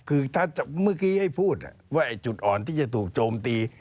คือถ้าเมื่อกี้ให้พูดว่าจุดอ่อนที่จะถูกโจมตี